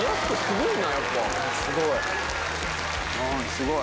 すごい。